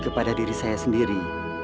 kepada diri saya sendiri